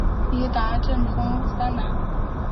伊达政宗三男。